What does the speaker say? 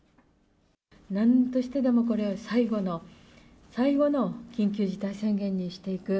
なんとしてでも、これは最後の、最後の緊急事態宣言にしていく。